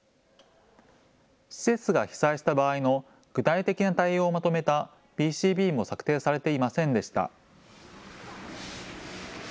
施設が被災した場合の具体的な対応をまとめたＢＣＰも策定されていませんでした。